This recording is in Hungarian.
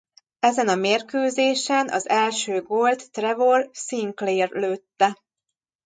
Ezen a mérkőzésen az első gólt Trevor Sinclair lőtte.